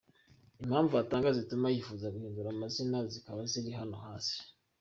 Impamvu atanga zituma yifuza guhindura amazina zikaba ziri hano hasi.